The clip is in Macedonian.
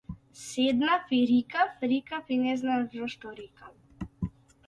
Седнав и рикав, рикав и не знаев зошто рикам.